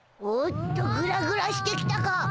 おっとぐらぐらしてきたか。